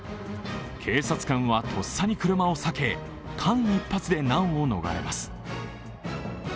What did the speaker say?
警察官はとっさに車を避け、間一髪で難を逃れます。